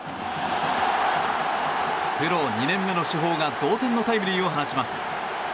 プロ２年目の主砲が同点のタイムリーを放ちます。